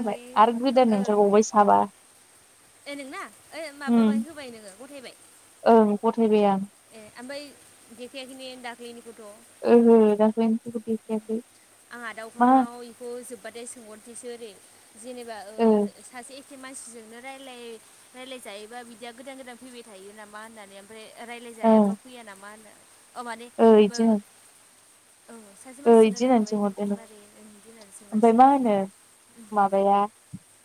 होनबाय आरो गोदो नोंसोर ओंखारबावबाय साबा। ओ नोंना ओ माबाबाय होबाय नोङो गथायबाय। ओं गथायबाय आं ए, ओमफ्राय देखायाखैनि दाखैनिखौथ'। ओहो दाख्लैनिखौ देखायाखै आं आदा मा अख्रांनाव बेखौ जोब्बाथाय सोंहरनोसैसो ओरै। जेनेबा ओ सासे जाथे मानसिजोंनो रायलाय रायलाय जायोबा बिदिया गोदान गोदान फैबाय थायो नामा होननानै ओमफ्राय ओं रायज्लायजायाबा फैया नामा? होनो माने ओ बो इदि होन औ सासे ओ मानसिनो इदि होननानै लोगोखांबारि सोंहरदो फुख्रि नोङो मारि हदि होननानै ओमफ्राय मा सोंलांसिगोन। होनो माबाया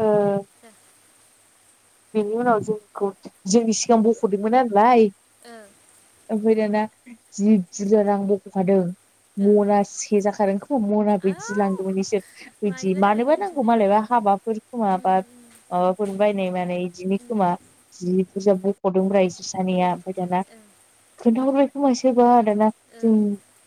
ओ [unintelligible] बेनि उनाव जोंखौ जोंनि सिगां बख'दोंमोन नलाय। ओं। ओमफफ्राय दाना जि बुर्जा रां ब'ख खादों। ओ मना से जाखादों खोमा मना बिदि आव लांदोंमोन बिसोर। बिदि मानिबा थाखाय मानोबा नांगौ मालायबा दोनथुमनायमोनदां हाबाफोर खोमा उम बा उम माबाफोर बायनाय मानाय बिदिनो उम खोमा, जि बुरजा बुख'दों ब्रा जानिया दोनथुमनो दाना खोन्थाहर बेखौ मसेोबा आरोाना ओं जों ओं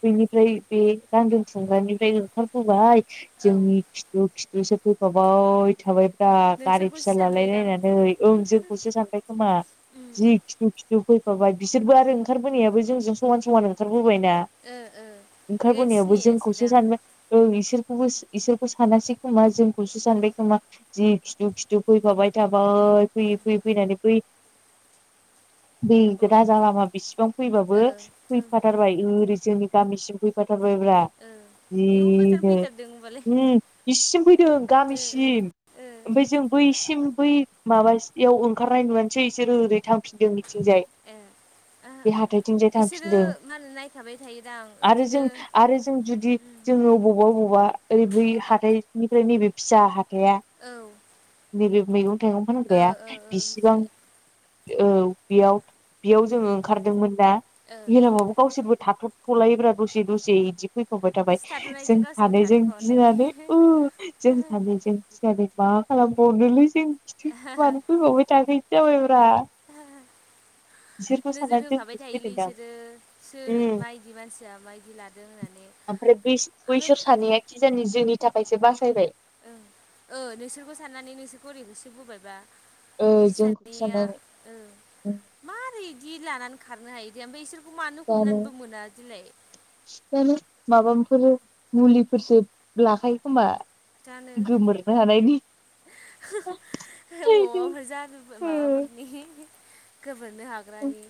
बेनिफ्राय बे गान्दोन खुमग्रानिफ्राय ओंखारबोबाय औ जोंनि दु खिथुसो फैफाबाव थाबायफ्रा गारि नोंसोरखौसो फिसा सानबायदां लालायलायनानै ओं जोंखौसो सानबाय खोमा। उम ओ जि खिथु खिथु फैफाबाय बिसोरबो आरो ओंखारबोनायाबो जोंजों समान समान ओंखारबोबाय ना। ओ बेखायनो ओंखारबोनायावबो जोंखौसो सिनायासैदां सान औ इसोरखौबो इसोरखौ सानासै खोमा जोंखौसो उम सानबाय खोमा जि खिथु खिथु फैफाबाय थाबाय उम फैयै फैयै फैनानै बै दै अ ओ ओं राजाजा लामा बिसिबां फैबाबो फैफाथारबाय ओरै जोंनि गामिसिम फैफाथारबायब्रा। ओ आयौ गोजान जिनो फैथारदों होनबालाय ओ उ इसिम फैदों ओ गामिसिम। ओ ओमफ्राय जों बैसिम बै माबासेयाव ओंखारनाय नुनोसै एसेोर ओदै थांफिनदों मिथिंजाय। ए ओ इसोरो थांफिनदों मााल होनो नायफाबाय थायोदां आरो बिदिनो जों आरो जों जुदि जोङो बबावबा बबावबा ओरै बै हाथाइनिफ्राय नैबे फिसा हाथाया औ ओ नैबे मैगं मैगं फानग्राया ओ ओ बिसिबां मिथिबाय औ बेयाव बेयाव जोङो ओंखारदोंमोन ना ओ जेरावबाबो गावसोरबो थाथ' थ'लायोब्रा दसे दसे इदि फै बाय थाबाय नोंसोर जों थाथ'नायजों गावसोरबो सानैजों गिनानै ओ जों थाथ'फावनाय सानैजों नानै मा खालामबावनोलै जों खिथौ खिथौ मानो फैफाबाय थाखो इदि जाबाय ब्रा [unintelligible] नोजोर होखाबाय जोंखौसो थायोलै फैदोंदां बिसोरो सोर उम मायदि मानसिया मायदि लादों होननानै ओमफ्राय बैस ओमफ्राय बैसोर सानैया खिजानि जोंनि थाखायसो बासायबाय ओं ओ नोंसोरबोखौ साननानै नोंसोरखौ ओरैहोसो बोबायबा ओ जोंखौसो इसानिया साननानै ओ मारै इदि लानानै खारनो हायो दे ओमफाय इसो खौ मानो हमनानैबो मोनादिलाय सि जानो माबामफोर मुलिफोरसो लाखायो खोना गोमोरनो हानाय [unintelligible] अ जादुफोर ओ माबाफोरनि गोबोरनो हाग्रानि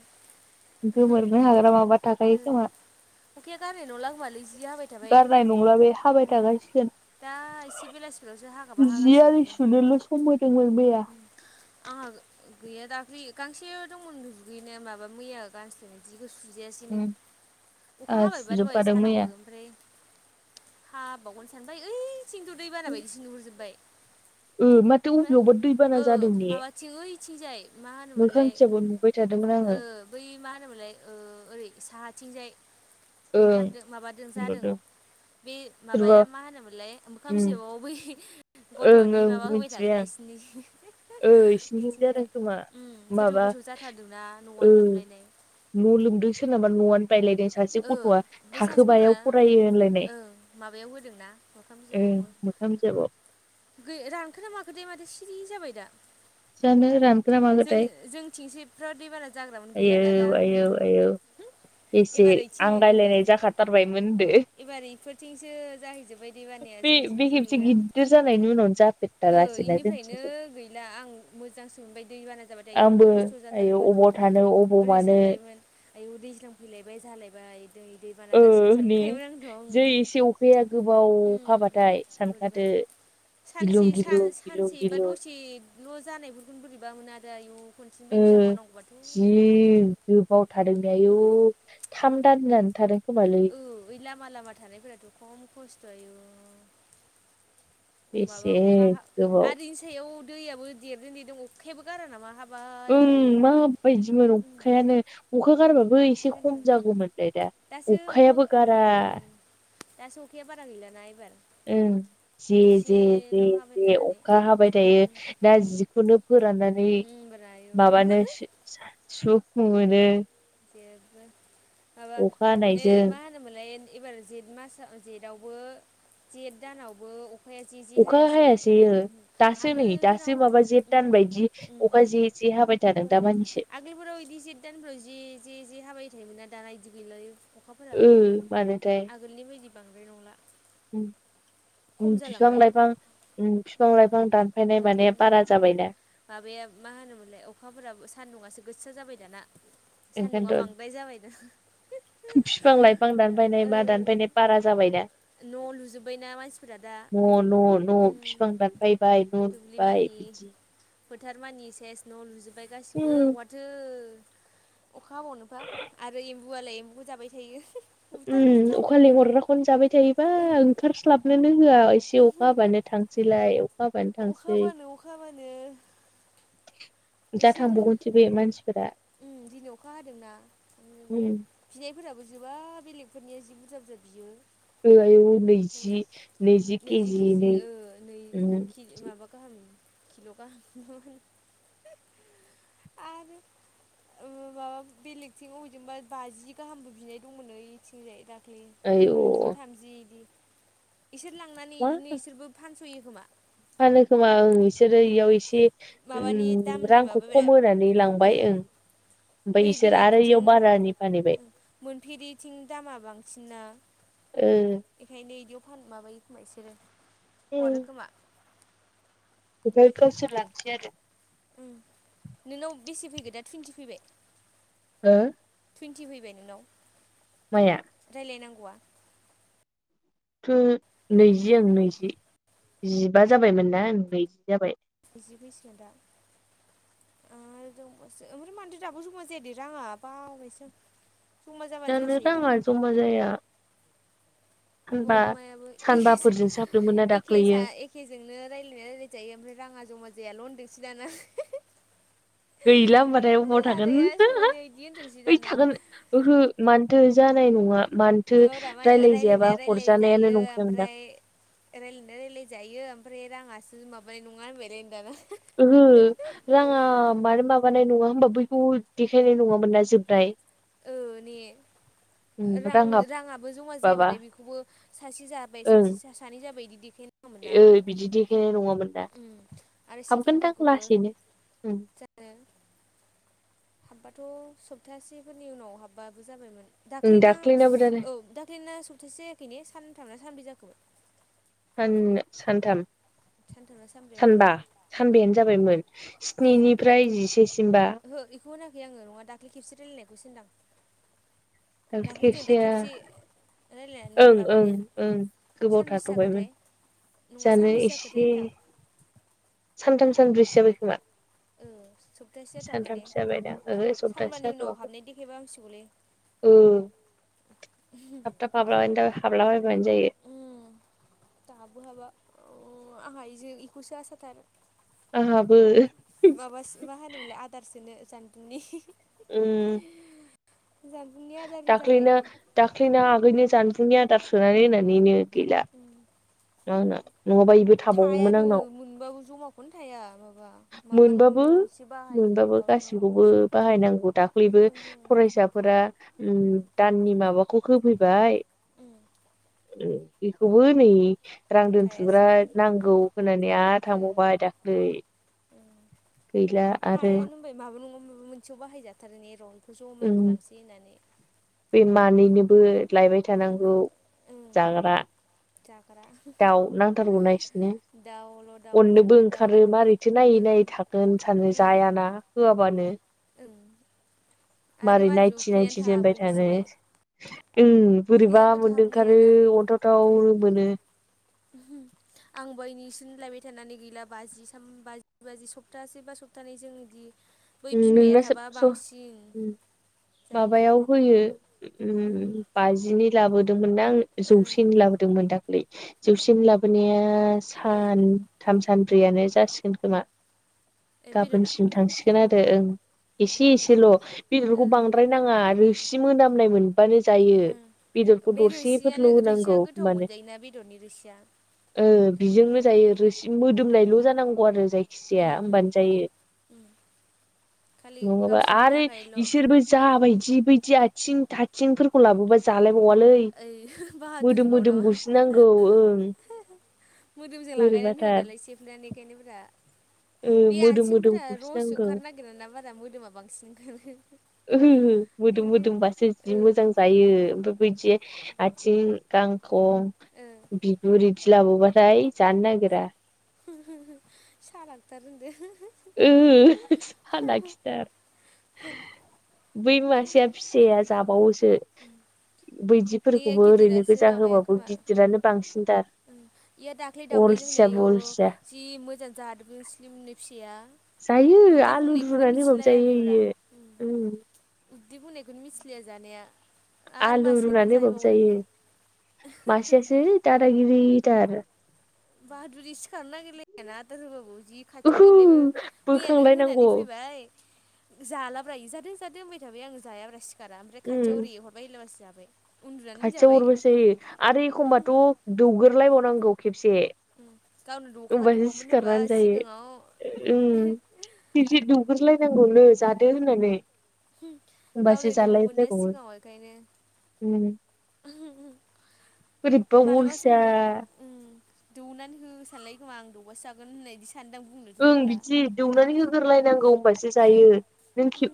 [unintelligible] गोमोरनो हाग्रा माबा थाखायो खोमा अखाया गारनाय नंला खोनालै जि हाबाय थाबाय गारनाय नंला बे हाबाय उम दा एसे बेलासिफोरावसो हागाबा थाखासिगोन जि आरि हागासिनो सुनोल' सम होदोंमोन मैया आंहा गैया दाख्लै गांसे दंमोन दुगैनाय माबा मैया गानस्लायनाय जिबो सुजायासिनो उम अखा आंहा हाबायबा दहाय सुजोबखादों मैया सानावबो ओमफ्राय हाबावगोन सानबाय ओइ थिंथ' दै बाना बायदिसो नुहुरजोबाय उम मातो अबेयावबा दैबाना जादों ने? ओथिं ओइथिंजाय मा मोखां होनोमोनलाय बिजाबाव नुबाय थादोंमोन ओ आङो बै मा होनोमोनलाय ओ ओरै साहाथिंजाय ओं ओंखारदों माबादों जादों होनहरदों बे सोरबा माबाया मा होनोमोनलाय मोखां उम बिजाबाव अ बै ओं गथ'नि ओं माबा होबाय मिथिबाय थाग्राया आं इसिनि ओ [unintelligible] इसिनिथिं इथिंजाय जादों खोमा गोथौ माबा गोथौ जाथारदों ना न'आनो लोमलायनाय न'लोमदों सोरनाबा न'आनो बायलायदों सासे ओ गथ'आ बै सासे गथ'आ थाखोबायाव फरायो होनलायनाय ओं माबायाव होदोंना ओं मो खां बिजाबाव गो रानखोना माखो थाय माथो सिरि जाबाय दा जानो रानखोना जों माखोथाय जोंथिंसे बुराद दै बाना जाग्रामोन गैलाना दा आयौ आयौ आयौ [unintelligible] बेसे एबार ओइथिं आं ओं रायलायनाय जाखाथारबायमोन होनदो एबार इफोरथिंसो जाहैजोबबाय दै बानाया बे बे जोंथिंसो खेबसे गैला गिदिर जानायनि उनावनो ओ जाफेरथारासैना इनिफ्रायनो जोंथिंजाय गैला आं मोजांसो मोनबाय दै बाना जाबाथाय आयौ आंबो खस्थ' आयौ जाथारोमोन अबाव थानो अबाव ओरै मानो सानलायोमोन आयौ दैज्लां फैलायबाय जालायबाय दै दैबाना ओ जासिगोन ने सानखायमोन आंथ' उम जै एसे अखाया गोबाव हाबाथाय उम बोरैबा सानखादो गिलुं सानसे गिलुं सान गिलुं सानसेबा गिलुं दसे ल' जानायफोरखौनो बोरैबा मोनो आरो आयौ खनसेनि बायदि ओ जाबावनांगौबाथ' जि गोबाव थादोंदे आयु उम थाम दानानो थादों खोमालै औ ओइ लामा लामा थानायफोराथ' खम खस्थ' आयु अ माबा बेसे अखा हा गोबाव आरो बेनि सायाव दैयाबो देरदों देरदों अखायाबो गारा नामा हाब ओं माबायदिमोन उम अखायानो अखा गारबाबो एसे खम ओंखायनोथ' जागौमोनलाय दा दासो अखा अखायाबो गारा ओं दासो अखाया बारा गैलाना एबार ओं जे जे एसेल' जे हाबाय जे थानानै अखा हाबाय थायो ओं दा जिखौनो फोराननानै माबानो [unintelligible] [unintelligible] जेबो माबा अखा ए हानायजों मा होन होनो मोनलाय एबार जेथ मास जेथावबो जेठ दानावबो अ खाया जे जे अखा हायासै ने। हायासैयो दासो नै आगोलफोराव दासो माबा जेथ ओम दान बायदि ओम। अखा जे जे थादों हाबाय थाबाय। दामानिसो आगोलफोराव इदि जेठ दानफोराव जे जे जे हाबाय थायोमोन ना दाना बिदि गैला ओ अखाफोराबो मानोथाय आगोलनि बायदि बांद्राय नंला। उम, खम उम फिफां जालांबाय अ लाइफां उम फिफां लाइफां दानफायनाय माने दानफायबायना बारा जाबायना। माबाया मा होनोमोनलाय अखाफोराबो सान्दुंङासो गोसा जाबाय दाना। सान्दुङा बांद्राय जाबायनो। फिफां लाइफां दानफानाय मा दानफैनाय बारा जाबायना। न' लुजोब्बाय ना मानसि न' न' न' फिफां दानफायबाय न' लुबाय बिदि। फोथार मानि सेस न' लुजोब्बाय गासिबो उम अहाथो अखा हाबावनोबा। आरो एम्बुआलाय एम्बुबो जाबाय थायो। बुथार उम बुथार अखा लिंहरग्राखौनो जाबाय थायोबा ओ ओंखार स्लाबनोनो होआ एसे अखा हाबानो थांसैलाय अ खौ अखा हाबानो अखा हाबानो [inaudible] इसोर जाथांबावगोनसो बे मानसिफोरा उम दिनै अखा हादोंना उम। बिनायफोराबो जोबा बेलेगफोरनिया जि बुरजा बुरजा बियो। ओ आयु नैजि नैजि केजि नै। उम। माबा गाहाम किल' गाहाम ना मा होनो। आरो ओ माबा बेलेगथिं अबेजोंबा बाजि गाहामबो बिनाय दंमोन ओइथिंजाय दा ख्लै बाजि आयौ थामजि इदि। इसोर लांनानै मा इदिनो इसोरबो फानस'यो खोमा। फानो खोमा ओं इसोरो इयाव एसे माबानि दामनि रांखौ माबाया खम होनानै इ ओ लांबाय ओं। बै ओमफ्राय इसोर आरो इयाव बेलेगथिं बारानि फानहैबाय ओ मोनफेरिथिं दामा बांसिनना। ओ। एखायनो इदियाव फान माबायो खोमा इसोरो हरोखोमा। ओमफाय गावसोर लांसै आरो। उम नोंनाव बेसे फैगो दा टुइन्टि फैबाय? हो? टुइेन्टि फैबाय नोंनाव? माया? रायलायनांगौआ? थु नैजि ओं नैजि जिबा जाबायमोन ना ओं नैजि जाबाय। नैजि फैसिगोन दां। ओ दंबासो ओमफ्राय मानो दाबो जमा जाया दे राङा बावबायसो आं। जमा जाबानो जानो जासै राङा जमा जाया। होनबा नुवाबो मायाबो एखे सानबाफोरजों साफ्रोमोना सो एखे दाख्लैयो सा ए खेजोंनो रायलायनाया रायलायजायो ओमफ्राय राङा जमा जायाल' होनथोंसै दाना। गैला होमबाथाय अबाव थागोन। आदाया सोंहरनायाव इदि होनदोंसै ओइ दाना थागोन। ओहो मानोथो जानाय नङा? मानोथो नङाब्रा मा होनो रायलायजायाबा रायलायनाया रायलाय हरजानायानो जायो नंखायामोनदां ओमफ्राय रायलायना रायलायजायो ओमफ्राय राङासो माबानाय नङा होनबायलायनो दाना। ओहो। राङा मानो माबानाय नङा होमबा बैखौ देखायनाय नङामोन ना जोबनाय। ओ ने रां राङा राङाबो जमा माबा जायाबाथाय बेखौबो सासे जाबाय ओं सासे सासे सानै जाबायदि देखायनो ओ बिदि देखाय नङामोन दा उम आरो हाबगोनदां सेकेन्डफोरखौबो लासैनो जानो हाबबाथ' सप्तासेफोरनि उनाव हाबबाबो जाबायमोन उम दाख्लैना दाख्लैनाबो दालाय औ दाख्लैना सप्तासे जायाखै ने सानथामना सानबै जाखोबो सान सानथाम सानथामना सानब्रैमोनथाय सानबेयानो जाबायमोन स्निनिफ्राय जिसेसिमबा बेखौ होनाखै आङो नाङा दाख्लै खेबसे रायलायनायखौसो होनदां दाख्लै दों दा खेबसे रायलायनानै ओं ओं माबानाया ओं गोबाव सानबसे थाथ'बायमोन जाखोथाय नङा जानो सानबेसे जाखोथाय एसे होनदां सानथाम सानब्रैसो जाबाय खोमा ओ सप्तासे जाथ'वाखै ने सानथामसो जाबायदां ओहो सप्तासे सानबानि उनाव जाथ'वो हाबनाय देखायबा हामसिगौलै ओ थाब थाब हाब्लानो हाबला बायबानो जायो उम दाबो हाबा आंहा इजों इखौसो आसा थार आंहाबो माबासो मा होनोमोनलाय आदारसोनो सान्दुनि फुजाम दाख्लैनो दाख्लैना आगैनो जानबुंनि आदार सोनानै होनानैनो गैला आंना नङाबा इबो था थायानो मोनबाबो जमाखौनो थाया माबा माबा नङा मोनबाबो माबा मोनसे बाहायदो मोनबाबो माबा नङा माबा गासिबखौबो मोनसे बाहायनांगौ दाख्लैबो ओंखायनो जों फरायसाफोरा उम दाननि माबाखौ होफैबाय उम बेखौबो नै रां दोनथुमग्रा थायासै नांगौ होननानै आरो ओ थांबावबाय दाख्लै गैला आरो हमाय माबा नङा माबा मोनसेयाव बाहायजाथारो ने रंखौ जमाय उम खालामसै होननानै बे मानैनोबो लायबाय थानांगौ ओं जाग्रा जाग्रा दाउ नांथारगौना इसिनो दाउल' दाउल' अननोबो होनदो दाउ ओंखारो नङाबानो मारैथो नायै नायै ओं थागोन सानो ओं जायाना होआबानो ओं आरो मारै मारैथो नायथि उखैनानै नायथि दोनबाय थाहाबगोन थानो इसोरलाय ओं बोरैबा उखैनानैबो मोनदों थाहाबनो ओंखारो हायाना अन्थावथाव मोनो हम आंबो ए निसिम लायबाय थानानै गैला बाजिथाम बाजि बाजि सप्तासे बा सप्तानै जों दि नोंना माबायाव जायो होयो उम बाजिनि लाबोदोंमोन ना आं ओ जौसेनि लाबोदोंमोन दाख्लै जौसेनि लाबोनाया ओ सान थाम सानब्रैयानो जासिगोन खोमा ए बेदरा गाबोनसिम थांसिगोन आरो ओं बा एसे एसेल' ओ बेदरखौ बां द्राय नाङा रोसि मोनामनाय मोन बानो जायो ओ बेदरखौ बे रोसियानो दरसेफोरल' रोसिया होनांगौ गोथाव होमबानो मोनजायोना बेदरनि रोसिया ओ ओंखायनो बिजोंनो खोमा जायो रोसि मोदोमनायल' जानांगौ आरो जायखिजाया उम होमबानो जायो उम खालि नङाबा गावसिनि आरो थाखायल' इसोरबो जाह बायदि बैदि आथिं - आथिंफोरखौ लाबोबा जालायबावालै ओइ बाहादुरिबाव मोदोम-मोदोम नामा गुसो नांगौ ओं मोदोमजों लागायनानै होआ बोरैबाथार दालाय सेबनानै गायनोफोरा ओ मोदोम मोदोम रस गसिनांगौ ओंखारनो नागिरा ना बारा मोदोमा बांसिन ओंखारो [unintelligible] मोदोम बेखायनो मोदोमबासो जि मोजां ओ जायो ओमफाय बैदिया आथिं गांखं ओ बिगुर इदि लाबोबाथाय जानो नागिरा [unintelligible] सालाकथार होनदो [unintelligible] [unintelligible] खिथार [unintelligible] बै मासेया फिसाया जाबावोसो बैदि बेयो फोरखौबो ओरैनो गिदिरासो गोजा होबाबो गिदिरानो बांसिनथार उम इया दाख्लै दावउदै जों अलसिया नियायौ बलसिया जि मोजां जादोंमोन स्लिमनो फिसाया जायो उदै आलु बुंनायखौनो रुनानै होबाबो जायो इयो उम उदि बुंनायखौनो मिथिलिया जानाया आरो आलु मासि निखौबो जाहैबावदों इयो मासेयासे दादा गिरिथार बाहादुरि सिखारनो नागिरलायाना आदार होबाबो जि खाथियाव ओहो हैलेबो मैया नों होनानै बोखांलायनांगौ फैबाय जालाब्रा इयो जादो जादो होनबाय थाबाय आं जायाब्रा सिखारा ओमफ्राय खाथियाव उम ओरै हरबाय एलाबोसो जाबाय उन्दुनानै खाथियाव जाबाय हरबासो जायो आरो एखमबाथ' दौग्रलायबावनांगौ खेबसे गावनो दखा ओमबासो दौवामोन होनबा सिखारनानै सिगाङाव जायो उम बिदि दौग्रोलायनांगौ नो जादो होननानै [unintelligible] होमबासो गावनो दौओमोन ना जालायलायबावो सिगाङाव ओखायनो उम बोरिबबा मालाबा अलसिया समाव उम दौनानै हो सानलायो खोमा आं दौबासो जागोन होननाय दिस सान्दां बुंनो ओं बिदि दौनानै होग्रोलायनांगौ होनबासो ओ जायो नों खे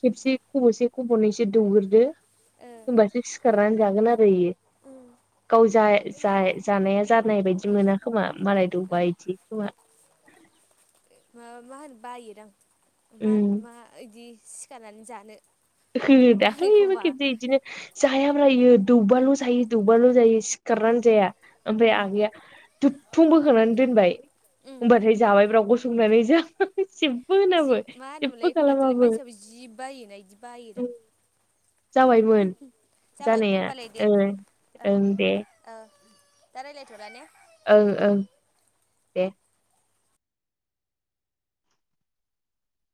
खेबसे खब'से खब'नैसो दौगोरदो होमबासो सिखारनानै जागोन आरो इयो। ओ उम गाव जा-जा-जानाया जानाय बायदि दावरावसो मोना खोमा मालाय फैदों ओं दौबा इदि [unintelligible] मा मा होनो बायो दां मा उम मा इदि सिखारनानै जानो [unintelligible] दाख्लैबो एखमबा खेबसे बिदिनो जायाब्रा इयो दौबाल' जायो दौबाल' जायोस खारनानै जाया ओमफ्राय आगैया दुथुं बोखांनानै दोनबाय उम होमबाथाय जाबायब्रा गसंनानै [unintelligible] जि मा जेबो होनोमोनलाय बादुलि खालामाबो मानसियाबो जि बायोना इदि बायो दां जाबायमोन [unintelligible] जाबाय जानाया होमबालाय दे ओं ओं औ दा रायलायथ'ला ने ओं ओं दे